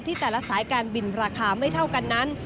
แต่ละสายการบินราคาไม่เท่ากันนั้น